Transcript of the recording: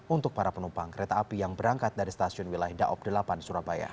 untuk para penumpang kereta api yang berangkat dari stasiun wilayah daob delapan surabaya